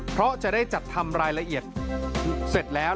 เพราะจะได้จัดทำรายละเอียดเสร็จแล้ว